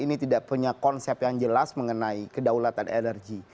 ini tidak punya konsep yang jelas mengenai kedaulatan energi